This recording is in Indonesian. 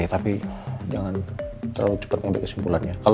tapi jangan terlalu cepat mengambil kesimpulan dulu bu rosa